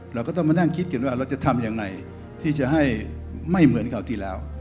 เราก็ต้องมานั่งคิดกันว่าเราจะทำยังไงที่จะให้ไม่เหมือนคราวที่แล้ว